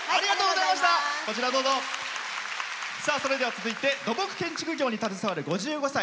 続いて土木建築業に携わる５５歳。